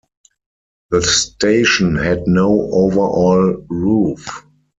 The station had no overall roof.